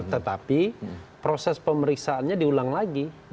tetapi proses pemeriksaannya diulang lagi